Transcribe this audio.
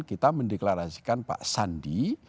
kita mendeklarasikan pak sandi